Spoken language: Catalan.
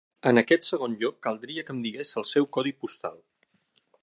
En aquest segon lloc, caldria que em digués el seu codi postal.